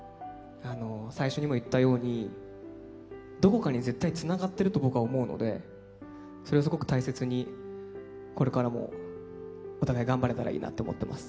最初にも言ったようにどこかに絶対つながってると僕は思うのでそれをすごく大切にこれからもお互い頑張れたらいいなと思います。